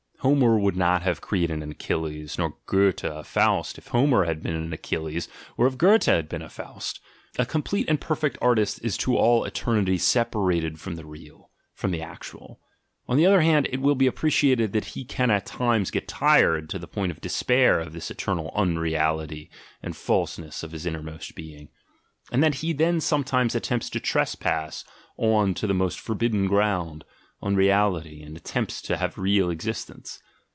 Homer would not have created an Achilles, nor Goethe a Faust, if Homer had been an Achilles or if Goethe had been a Faust. A complete and perfect artist is to all eternity separated from the "real," from the actual ; on the other hand, it will be appreciated that he can at times get tired to the point of despair of this eternal "unreality" and falseness of his innermost being — ioo THE GENEALOGY OF MORALS and that he then sometimes attempts to trespass on to the most forbidden ground, on reality, and attempts to have real existence.